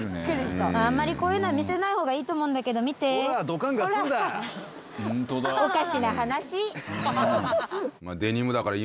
あんまりこういうのは見せないほうがいいと思うんだけど見てうわあドカンガツンだほら